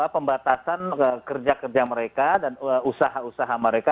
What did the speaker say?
pembatasan kerja kerja mereka dan usaha usaha mereka